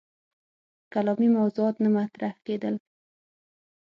کلامي موضوعات نه مطرح کېدل.